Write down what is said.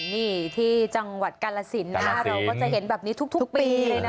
นี่ที่จังหวัดกาลสินนะคะเราก็จะเห็นแบบนี้ทุกปีเลยนะ